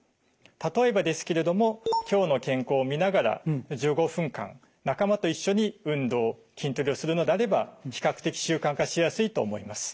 例えばですけれども「きょうの健康」を見ながら１５分間仲間と一緒に運動筋トレをするのであれば比較的習慣化しやすいと思います。